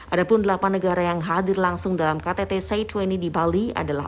ada pun delapan negara yang hadir langsung dalam ktt c dua puluh di bali adalah